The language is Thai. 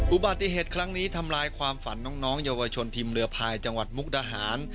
อุบัติเหตุครั้งนี้ทำลายความฝันน้องเยาวชนทีมเรือพายจังหวัดมุกดาหาร